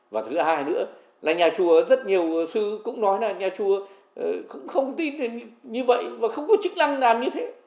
và thứ hai nữa là nhà chùa rất nhiều sư cũng nói là nhà chùa cũng không tin như vậy và không có chức năng làm như thế